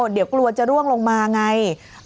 เดี๋ยวกลัวจะร่วงลงมาไง